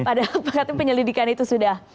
pada pengaturan penyelidikan itu sudah